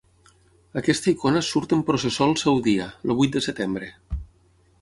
Aquesta icona surt en processó el seu dia, el vuit de setembre.